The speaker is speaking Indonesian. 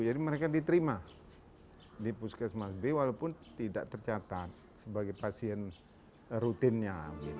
jadi mereka diterima di puskesmas b walaupun tidak tercatat sebagai pasien rutinnya